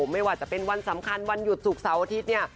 ไม่ว่าจะเป็นวันสำคัญวันหยุดศุกร์เสาร์อาทิตย์เนี่ย